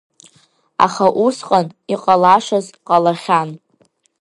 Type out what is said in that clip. Аха усҟан иҟалашаз ҟалахьан.